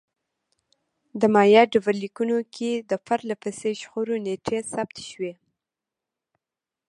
د مایا ډبرلیکونو کې د پرله پسې شخړو نېټې ثبت شوې